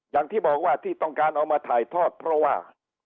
อย่างที่บอกว่าที่ต้องการเอามาถ่ายทอดเพราะว่า